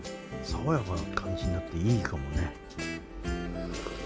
爽やかな感じになっていいかもね。